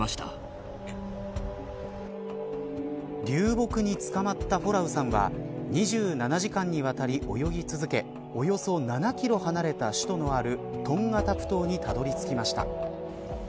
流木につかまったフォラウさんは２７時間にわたり泳ぎ続けおよそ７キロ離れた首都のあるトンガタプ島にたどり着きました。